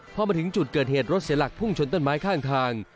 พอมาถึงจุดเกิดเหตุรถเสียหลักพุ่งชนต้นไม้ข้างทาง